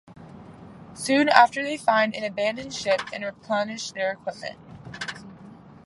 Soon after they find an abandoned ship and replenish their equipment.